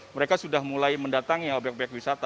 mereka sudah mulai mendatangi obyek obyek wisata